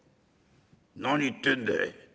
「何言ってんでえ。